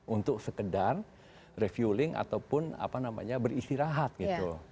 untuk sekedar refueling ataupun beristirahat gitu